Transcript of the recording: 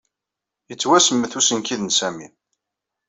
Yettwasemmet usenkid n Sami.